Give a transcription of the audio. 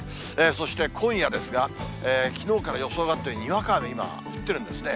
そして今夜ですが、きのうから予想があって、にわか雨、今降ってるんですね。